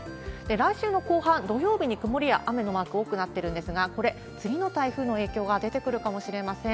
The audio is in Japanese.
来週の後半、土曜日に曇りや雨のマーク多くなってるんですが、これ、次の台風の影響が出てくるかもしれません。